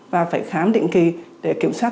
và phải khám định kỳ để kiểm soát